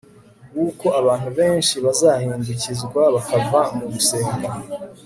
wuko abantu benshi bazahindukizwa bakava mu gusenga